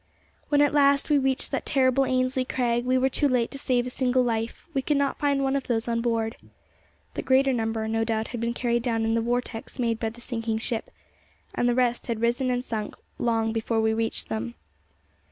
When at last we reached that terrible Ainslie Crag, we were too late to save a single life; we could not find one of those on board. The greater number no doubt had been carried down in the vortex made by the sinking ship, and the rest had risen and sunk again long before we reached them.